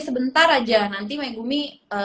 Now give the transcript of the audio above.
sebentar aja nanti megumi